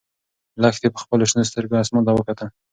لښتې په خپلو شنه سترګو اسمان ته وکتل.